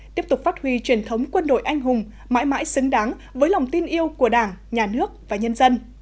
tiếp tục phát huy truyền thống quân đội anh hùng mãi mãi xứng đáng với lòng tin yêu của đảng nhà nước và nhân dân